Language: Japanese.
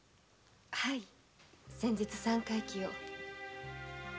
はい先日三回忌を。